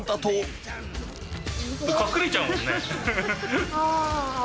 隠れちゃうもんね。